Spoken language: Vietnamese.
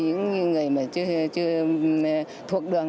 những người chưa thuộc đường